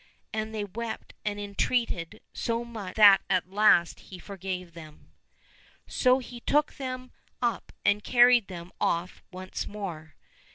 " and they wept and entreated so much that at last he forgave them. So he took them up and carried them off once more.